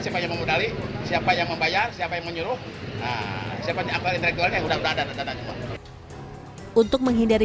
semuanya memudali siapa yang membayar siapa yang menyuruh siapa yang udah udah ada untuk menghindari